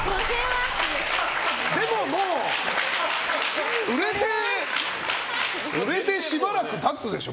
でも、もう売れてしばらく経つでしょ。